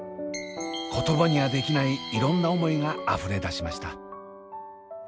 言葉にはできないいろんな思いがあふれ出しました。